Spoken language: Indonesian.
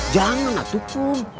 jangan atuh kum